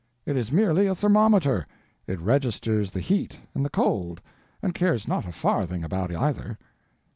It is merely a thermometer: it registers the heat and the cold, and cares not a farthing about either.